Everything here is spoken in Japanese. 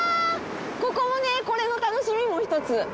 ここもね、これも楽しみも一つ。